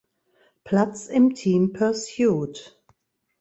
Platz im Team Pursuit.